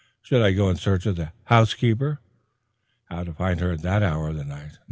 Should I go in search of the housekeeper? How to find her at that hour of the night?